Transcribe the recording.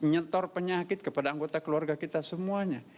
nyetor penyakit kepada anggota keluarga kita semuanya